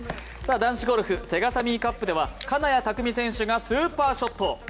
男子ゴルフ、セガサミーカップでは金谷拓実選手がスーパーショット。